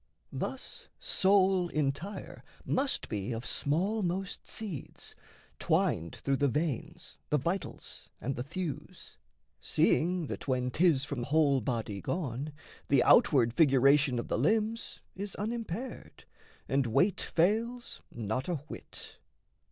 Thus soul entire must be of smallmost seeds, Twined through the veins, the vitals, and the thews, Seeing that, when 'tis from whole body gone, The outward figuration of the limbs Is unimpaired and weight fails not a whit.